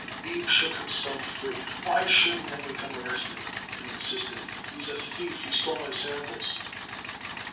Abe shook himself free. "Why shouldn't I make him arrested?" he insisted. "He's a thief. He stole my samples."